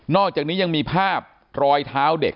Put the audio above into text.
อกจากนี้ยังมีภาพรอยเท้าเด็ก